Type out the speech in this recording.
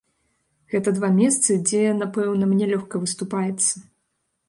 Гэта два месцы, дзе, напэўна, мне лёгка выступаецца.